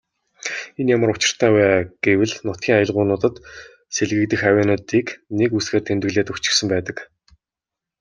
Энэ ямар учиртай вэ гэвэл нутгийн аялгуунуудад сэлгэгдэх авиануудыг нэг үсгээр тэмдэглээд өгчихсөн байдаг.